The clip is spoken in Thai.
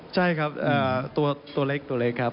ใช่ครับตัวเล็กตัวเล็กครับ